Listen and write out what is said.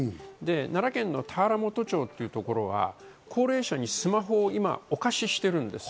奈良県の田原本町という所は高齢者にスマホを今お貸ししてるんです。